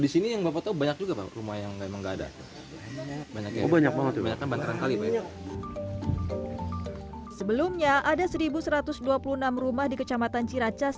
sebelumnya ada satu satu ratus dua puluh enam rumah di kecamatan ciracas